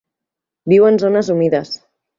Viu en zones humides.